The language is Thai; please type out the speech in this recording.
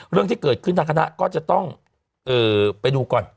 เรื่องที่เกิดขึ้นทางคณะก็จะต้องไปดูก่อน